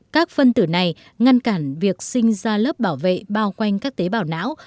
các phân tử này ngăn cản việc sinh ra lớp bảo vệ bao quanh các tế bào não